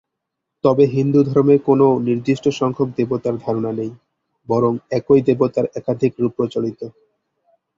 তবে হিন্দুধর্মে কোনও নির্দিষ্ট-সংখ্যক দেবতার ধারণা নেই, বরং একই দেবতার একাধিক রূপ প্রচলিত।